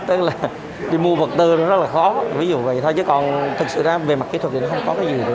tức là đi mua vật tư nó rất là khó ví dụ vậy thôi chứ còn thực sự ra về mặt kỹ thuật thì nó không có cái gì